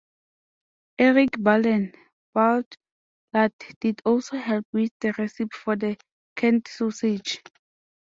Erik "Bullen" Berglund did also help with the recipe for the canned sausage.